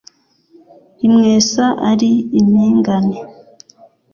rimwesa ari impingane